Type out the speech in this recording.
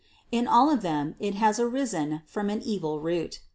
In all of them it has arisen from an evil root.